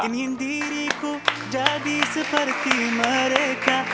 ingin diriku jadi seperti mereka